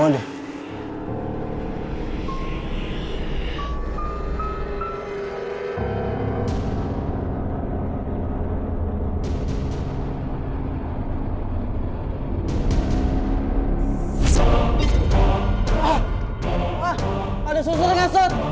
ah ada susu rengesut